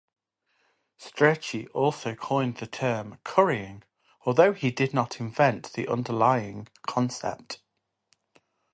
Strachey also coined the term "currying", although he did not invent the underlying concept.